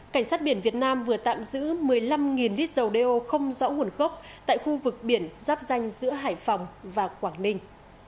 cảnh sát biển việt nam vừa tạm giữ một mươi năm lít dầu đeo không rõ nguồn gốc tại khu vực biển giáp danh giữa hải phòng và quảng ninh